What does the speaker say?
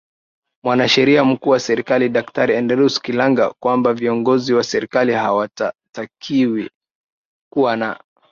Mwanasheria Mkuu wa Serikali Daktari Adelardus Kilangi kwamba viongozi wa serikali hawatakiwi kuwa na